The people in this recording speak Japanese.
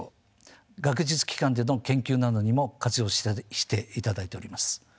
学術機関での研究などにも活用していただいております。